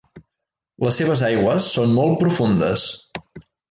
Les seves aigües són molt profundes.